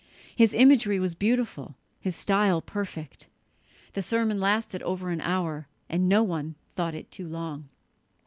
"His imagery was beautiful, his style perfect." The sermon lasted over an hour, and no one thought it too long.